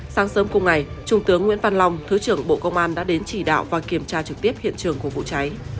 sáng sớm cùng ngày trung tướng nguyễn văn long thứ trưởng bộ công an đã đến chỉ đạo và kiểm tra trực tiếp hiện trường của vụ cháy